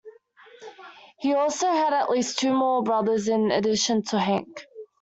He also had at least two more brothers in addition to Hank.